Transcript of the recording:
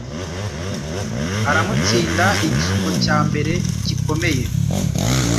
aramutsinda. Igishuko cya mbere gikomeye